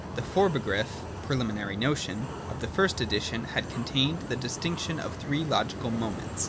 The 3Scr6egriff (preliminary notion) of the first edition had contained the distinction of the three logical ' moments ' (see p.